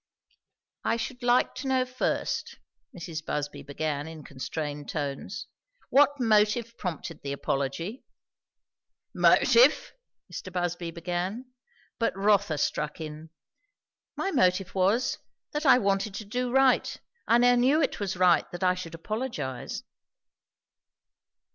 "I should like to know first," Mrs. Busby began in constrained tones, "what motive prompted the apology?" "Motive! " Mr. Busby began; but Rotha struck in. "My motive was, that I wanted to do right; and I knew it was right that I should apologize."